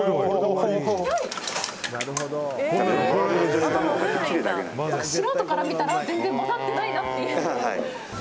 素人から見たら全然混ざってないなっていう。